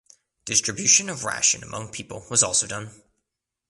Distribution of ration among people was also done.